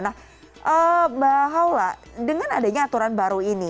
nah mbak haula dengan adanya aturan baru ini